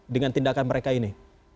dengan tindakan mereka ini